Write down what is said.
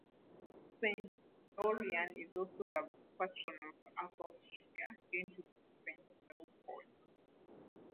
Saint Florian is also the patron of Upper Austria, jointly with Saint Leopold.